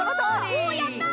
おやった！